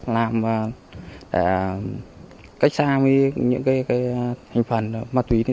làm cách xa với những cái hình phần mặt tùy tính ra